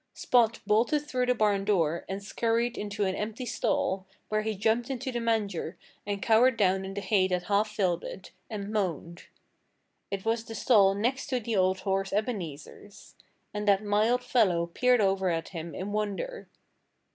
Spot bolted through the barn door and scurried into an empty stall, where he jumped into the manger and cowered down in the hay that half filled it, and moaned. [Illustration: Spot Bolted Through the Barn Door. (Page 16)] It was the stall next to the old horse Ebenezer's. And that mild fellow peered over at him in wonder.